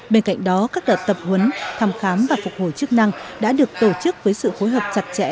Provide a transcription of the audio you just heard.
bên cạnh đó các đợt tập huấn thăm khám và phục hồi chức năng đã được tổ chức với sự phối hợp chặt chẽ